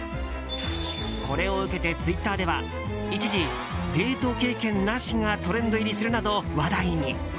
これを受けてツイッターでは一時、デート経験なしがトレンド入りするなど話題に。